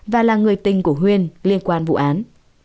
và là người tình của huyên liên quan vụ án